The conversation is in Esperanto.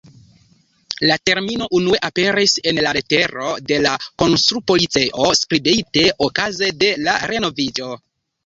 La termino unue aperis en letero de la konstrupolicejo skribite okaze de la renoviĝo.